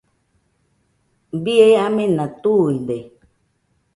Bie amena tuide